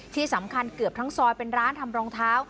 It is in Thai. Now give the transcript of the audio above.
ที่สำคัญเกือบทั้งซอยเป็นร้านทำรองเท้า